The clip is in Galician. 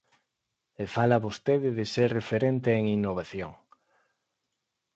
E fala vostede de ser referente en innovación.